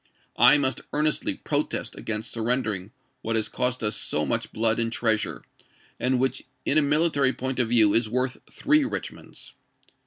I must earnestly protest against surrendering what has cost us so much blood and treasure, and which in a military point of view is worth three Rich monds."